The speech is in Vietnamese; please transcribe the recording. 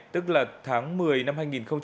tức là tháng một mươi năm hai nghìn hai mươi ba